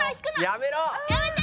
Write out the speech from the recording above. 「やめて！」